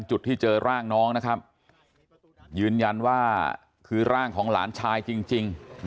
จุดที่เจอร่างน้องนะครับยืนยันว่าคือร่างของหลานชายจริง